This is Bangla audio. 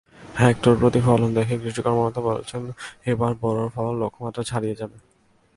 হেক্টরপ্রতি ফলন দেখে কৃষি কর্মকর্তারা বলছেন, এবার বোরোর ফলন লক্ষ্যমাত্রা ছাড়িয়ে যাবে।